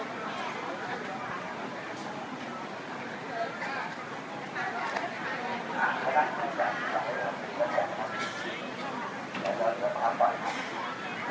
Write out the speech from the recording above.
เราเตรียมกันไทยรัฐธนักฯอยู่ในพื้นสุนบันดาลไทย